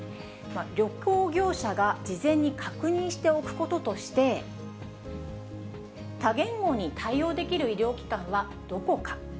旅行業者が事前に確認しておくこととして、多言語に対応できる医療機関はどこか。